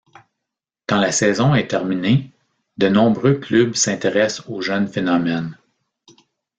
Quand la saison est terminée, de nombreux clubs s'intéressent au jeune phénomène.